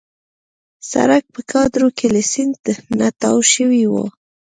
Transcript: سړک په کادور کې له سیند نه تاو شوی وو.